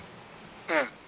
「うん」